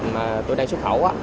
mà tôi đang xuất khẩu